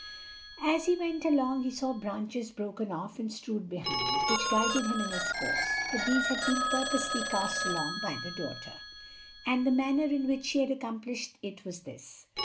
As he went along he saw branches broken off and strewed behind, which guided him in his course; for these had been purposely cast along by the daughter. And the manner in which she had accomplished it was this.